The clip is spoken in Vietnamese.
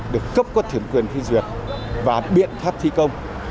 được cấp có thuyền quyền thi duyệt và biện pháp thi công